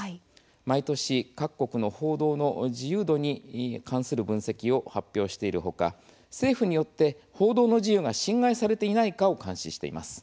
毎年、各国の報道の自由度に関する分析を発表しているほか政府によって報道の自由が侵害されていないかを監視しています。